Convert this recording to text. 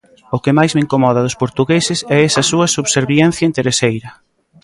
O que máis me incomoda dos portugueses é esa súa subserviencia intereseira